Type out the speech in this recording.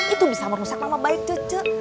itu bisa merusak nama baik cucu